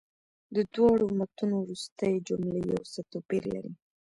د دواړو متونو وروستۍ جملې یو څه توپیر لري.